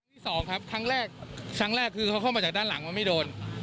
ที่สองครับครั้งแรกครั้งแรกคือเขาเข้ามาจากด้านหลังว่าไม่โดน